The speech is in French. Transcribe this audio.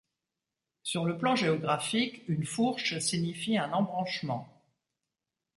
Sur le plan géographique, une fourche signifie un embranchement.